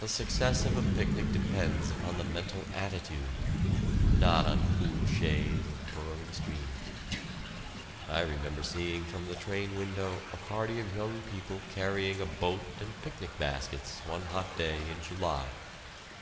The success of a picnic depends upon the mental attitude, not on cool shade or purling streams. I remember seeing from the train window a party of young people carrying a boat and picnic baskets, one hot day in July.